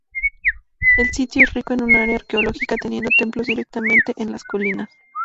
El sitio es rico en un área arqueológica teniendo templos directamente en las colinas.